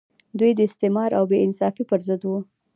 دوی د استثمار او بې انصافۍ پر ضد وو.